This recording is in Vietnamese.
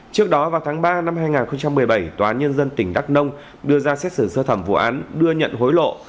trước đó vào tháng ba năm hai nghìn một mươi bảy tòa án nhân dân tỉnh đắk nông đưa ra xét xử sơ thẩm vụ án đưa nhận hối lộ